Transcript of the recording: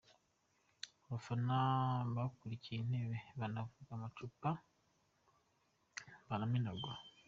Abafana badukiriye intebe baravuna, amacupa baramenagura.